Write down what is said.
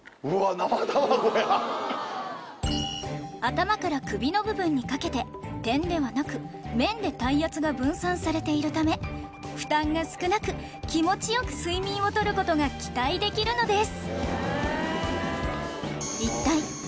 頭から首の部分にかけて点ではなく面で体圧が分散されているため負担が少なく気持ち良く睡眠を取ることが期待できるのです